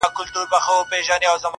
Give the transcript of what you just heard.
عاقبت یې په کوهي کي سر خوړلی؛